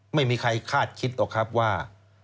ไม่มีใครคาดคิดหรอกครับว่า